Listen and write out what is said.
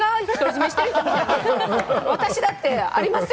私だってありますよ！